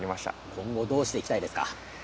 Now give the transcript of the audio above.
今後どうしていきたいですか？